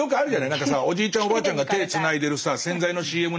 何かさおじいちゃんがおばあちゃんが手つないでる洗剤のＣＭなんか見るとさ